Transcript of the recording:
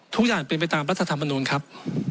ทุกอย่างเป็นไปตามรัฐธรรมนุนครับ